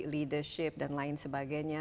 leadership dan lain sebagainya